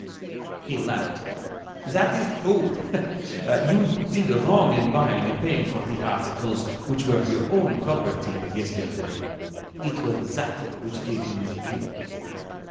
He laughed. "That is true. You did wrong in buying and paying for the articles which were your own property, yesterday. It was that which gave him the cue."